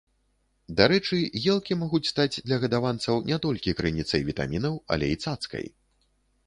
Дарэчы, елкі могуць стаць для гадаванцаў не толькі крыніцай вітамінаў, але і цацкай.